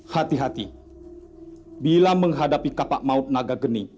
hati hati bila menghadapi kapak maut nagageni dua ratus dua belas